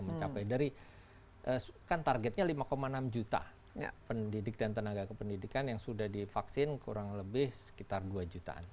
mencapai dari kan targetnya lima enam juta pendidik dan tenaga kependidikan yang sudah divaksin kurang lebih sekitar dua jutaan